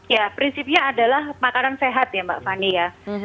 ya prinsipnya adalah makanan sehat ya mbak fani ya